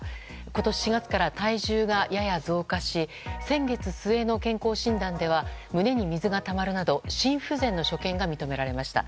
今年４月から体重がやや増加し先月末の健康診断では胸に水がたまるなど心不全の所見が認められました。